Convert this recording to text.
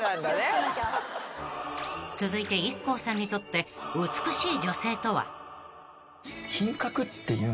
［続いてＩＫＫＯさんにとって美しい女性とは］